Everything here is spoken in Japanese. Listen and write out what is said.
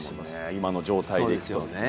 今の状態でいくと。